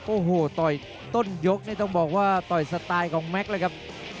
โอ้โหต่อยต้นยกนี่ต้องบอกว่าต่อยสไตล์ของแม็กซ์เลยครับ